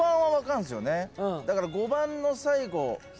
だから５番の最後。